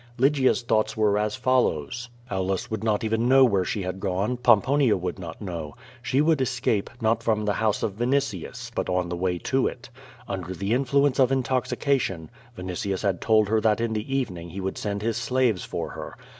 Lygia's thoughts were as follows: "Aulus would not even know where she had gone; Pom ponia would not know. She would escape, not from the liouse of Aulus, but on the way to it. Under the influence of intoxication, Vinitius had told her that in the evening he would send his slaves for her.